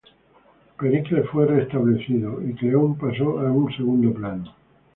Pericles fue restablecido y Cleón pasó a segundo plano.